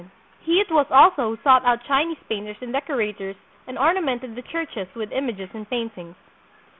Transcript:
1 He it was also who sought out Chinese painters and decorators and ornamented the churches with images and paintings.